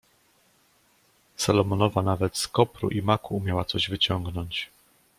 "Salomonowa nawet z kopru i maku umiała coś wyciągnąć."